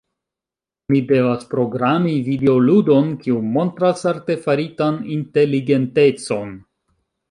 Mi devas programi videoludon, kiu montras artefaritan inteligentecon.